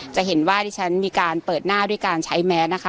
จะเห็นว่าที่ฉันมีการเปิดหน้าด้วยการใช้แมสนะคะ